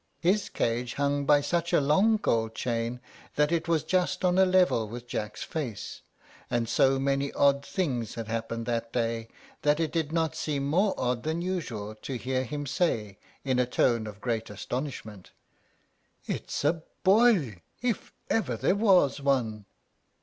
His cage hung by such a long gold chain that it was just on a level with Jack's face, and so many odd things had happened that day that it did not seem more odd than usual to hear him say, in a tone of great astonishment, "It's a BOY, if ever there was one!"